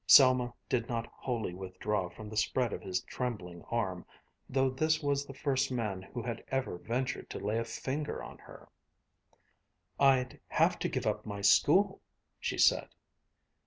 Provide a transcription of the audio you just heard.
Selma did not wholly withdraw from the spread of his trembling arm, though this was the first man who had ever ventured to lay a finger on her. "I'd have to give up my school," she said.